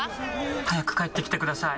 早く帰ってきてください。